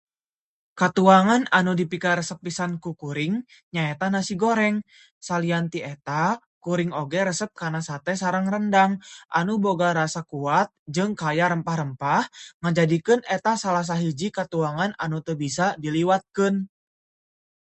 Katuangan anu dipikaresep pisan ku kuring nyaeta nasi goreng. Salian ti eta, kuring oge resep kana sate sareng rendang, anu boga rasa kuat jeung kaya rempah-rempah, ngajadikeun eta salah sahiji katuangan anu teu bisa diliwatkeun.